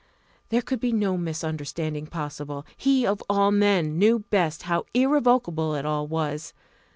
There could be no misunderstanding possible! He of all men knew best how irrevocable it all was.